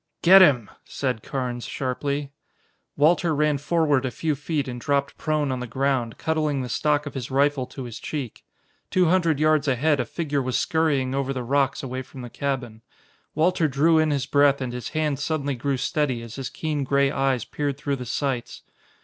"Get him!" said Carnes sharply. Walter ran forward a few feet and dropped prone on the ground, cuddling the stock of his rifle to his cheek. Two hundred yards ahead a figure was scurrying over the rocks away from the cabin. Walter drew in his breath and his hand suddenly grew steady as his keen gray eyes peered through the sights.